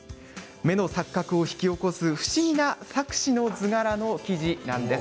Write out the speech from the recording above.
目の錯覚を引き起こす不思議な錯視の図柄の生地なんです。